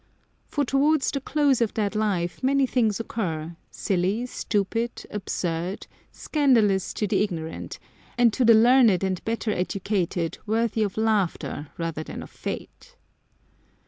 For towards the close of that life many things occur, silly, stupid, absurd, scandalous to the ignorant, and to the learned and better educated worthy of laughter rather than of faith."